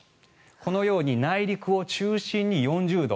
このように内陸を中心に４０度。